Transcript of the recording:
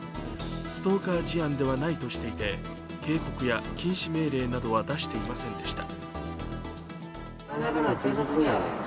ストーカー事案ではないとしていて、警告や禁止命令などは出していませんでした。